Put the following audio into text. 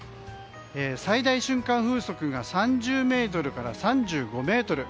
最大瞬間風速が３０メートルから３５メートル。